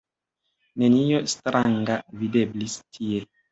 Nenio stranga videblis tie.